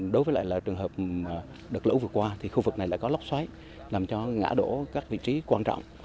đối với lại là trường hợp đợt lũ vừa qua thì khu vực này đã có lốc xoáy làm cho ngã đổ các vị trí quan trọng